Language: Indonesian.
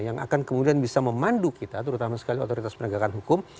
yang akan kemudian bisa memandu kita terutama sekali otoritas penegakan hukum